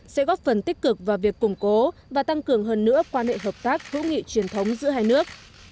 sẽ góp phần tích cực vào việc củng cố và tăng cường hơn nữa quan hệ hợp tác hữu nghị truyền thống giữa hai nước